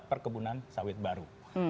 perkebunan sawit baru